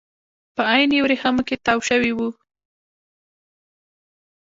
په عین ورېښمو کې تاو شوي وو.